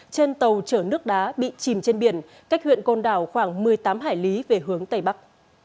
trên tàu chở nước đá bị chìm trên biển cách huyện côn đảo khoảng một mươi tám hải lý về hướng tây bắc